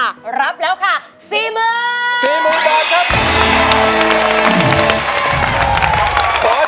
รับแล้วค่ะ๔๐๐๔๐๐๐บาทครับ